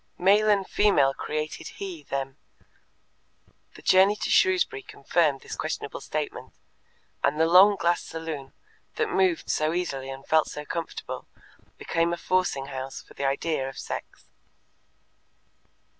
"Male and female created He them"; the journey to Shrewsbury confirmed this questionable statement, and the long glass saloon, that moved so easily and felt so comfortable, became a forcing house for the idea of sex.